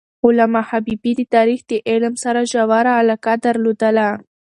علامه حبیبي د تاریخ د علم سره ژوره علاقه درلودله.